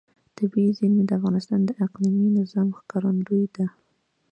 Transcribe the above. طبیعي زیرمې د افغانستان د اقلیمي نظام ښکارندوی ده.